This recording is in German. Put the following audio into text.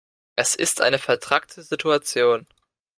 Es ist eine vetrackte Situation.